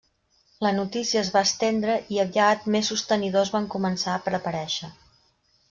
La notícia es va estendre, i aviat més sostenidors van començar per aparèixer.